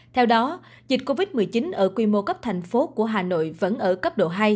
theo đó dịch covid một mươi chín ở quy mô cấp thành phố của hà nội vẫn ở cấp độ hai